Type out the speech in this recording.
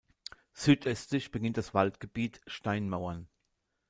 Südöstlich beginnt das Waldgebiet "Steinmauern".